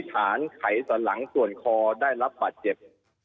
สรรคัยสลังตรวนคอได้รับบาดเจ็บ